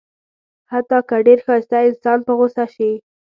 حتی که ډېر ښایسته انسان په غوسه شي.